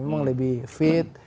memang lebih fit